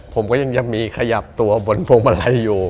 ผมก็ยังจะมีขยับตัวบนพวงมาลัยอยู่